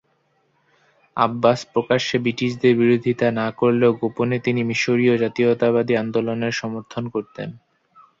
আব্বাস প্রকাশ্যে ব্রিটিশদের বিরোধিতা না করলেও গোপনে তিনি মিশরীয় জাতীয়তাবাদি আন্দোলনের সমর্থন করতেন।